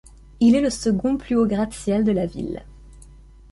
Il est le second plus haut gratte-ciel de la ville.